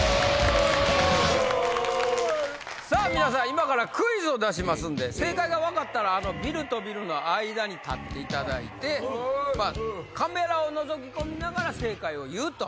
今からクイズを出しますんで正解が分かったらビルとビルの間に立っていただいてカメラをのぞき込んでから正解を言うと。